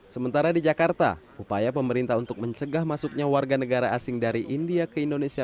sementara di jakarta upaya pemerintah untuk mencegah masuknya warga negara asing dari india ke indonesia